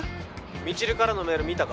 未知留からのメール見たか？